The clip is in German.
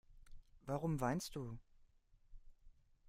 Warum weinst du?